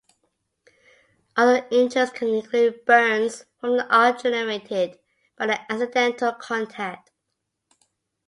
Other injuries can include burns from the arc generated by the accidental contact.